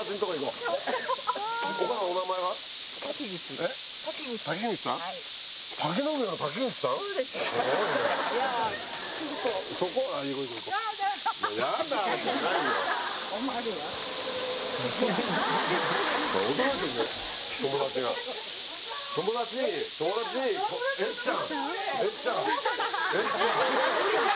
えっちゃん。